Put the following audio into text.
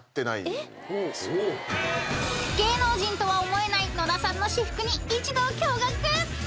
［芸能人とは思えない野田さんの私服に一同驚愕！］